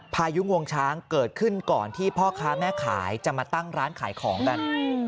พายุงวงช้างเกิดขึ้นก่อนที่พ่อค้าแม่ขายจะมาตั้งร้านขายของกัน